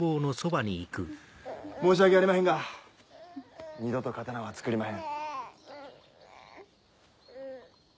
申し訳ありまへんが二度と刀は作りまへん。